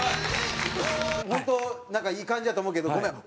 本当なんかいい感じやと思うけどごめん。